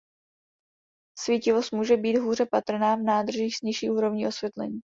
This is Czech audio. Svítivost může být hůře patrná v nádržích s nižší úrovní osvětlení.